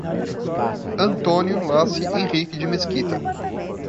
Antônio Laci Henrique de Mesquita